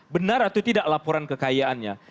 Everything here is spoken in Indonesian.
benar atau tidak laporan kekayaannya